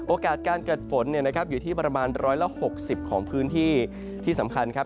โอกาสการเกิดฝนเนี่ยนะครับอยู่ที่ประมาณ๑๖๐ของพื้นที่ที่สำคัญครับ